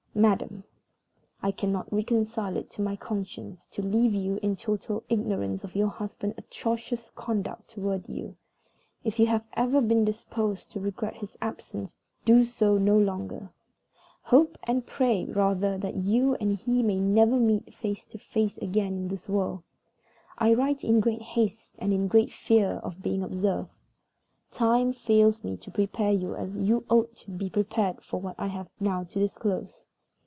"MADAM I cannot reconcile it to my conscience to leave you in total ignorance of your husband's atrocious conduct toward you. If you have ever been disposed to regret his absence do so no longer. Hope and pray, rather, that you and he may never meet face to face again in this world. I write in great haste and in great fear of being observed. Time fails me to prepare you as you ought to be prepared for what I have now to disclose.